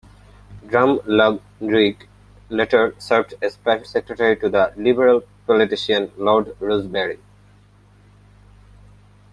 Drumlanrig later served as private secretary to the Liberal politician Lord Rosebery.